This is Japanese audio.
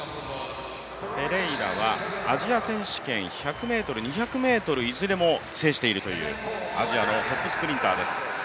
ペレイラはアジア選手権１００ｍ、２００ｍいずれも制しているというアジアのトップスプリンターです。